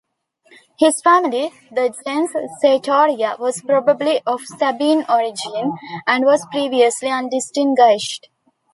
His family, the "gens Sertoria", was probably of Sabine origin, and was previously undistinguished.